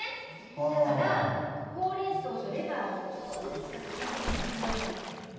だからホウレンソウとレバーを上手に使ったちゃんこメニューを考えようと思ってんのよ。